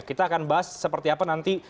kita akan bahas seperti apa nanti